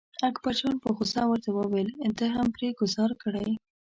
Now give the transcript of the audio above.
اکبرجان په غوسه ورته وویل ده هم پرې ګوزار کړی.